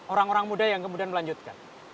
orang orang muda yang kemudian melanjutkan